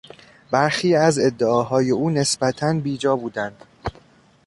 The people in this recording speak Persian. برخی از ادعاهای او نسبتا بیجا بودند.